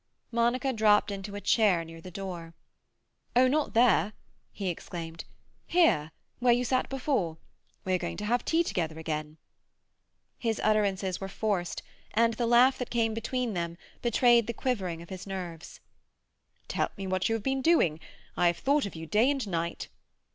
Monica dropped into a chair near the door. "Oh, not there!" he exclaimed. "Here, where you sat before. We are going to have tea together again." His utterances were forced, and the laugh that came between them betrayed the quivering of his nerves. "Tell me what you have been doing. I have thought of you day and night."